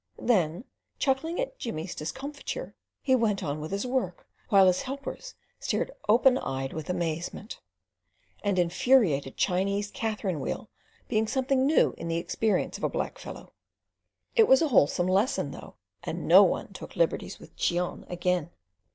Then, chuckling at Jimmy's discomfiture, he went on with his work, while his helpers stared open eyed with amazement; an infuriated Chinese catherine wheel being something new in the experience of a black fellow. It was a wholesome lesson, though, and no one took liberties with Cheon again.